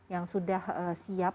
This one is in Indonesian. yang sudah siap